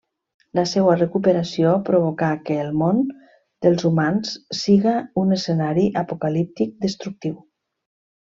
La seua recuperació provocà que el món dels humans siga un escenari apocalíptic destructiu.